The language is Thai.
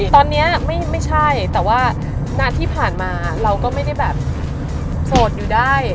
ตอนนี้ไม่ใช่แต่ว่านานที่ผ่านมาเราก็ไม่ได้แบบโสดอยู่ได้